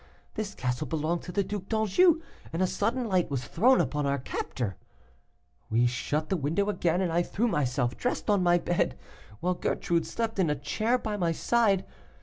This castle belonged to the Duc d'Anjou, and a sudden light was thrown upon our capture. We shut the window again, and I threw myself, dressed, on my bed, while Gertrude slept in a chair by my side.